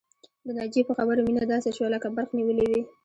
د ناجيې په خبرو مينه داسې شوه لکه برق نيولې وي